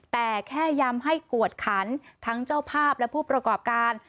แต่แค่ยำให้กวดขันทั้งเจ้าภาพและผู้ประกอบการ